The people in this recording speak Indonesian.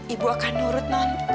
ibu akan nurut non